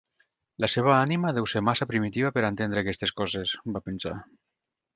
La seva ànima deu ser massa primitiva per entendre aquestes coses, va pensar.